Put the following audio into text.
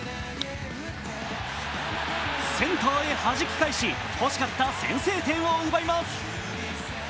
センターへはじき返し欲しかった先制点を奪います。